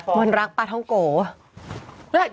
มนตร์รักปลาท้องโกะ